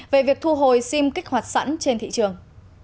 về việc thu hồi sim kích hoạt sẵn trên thị trường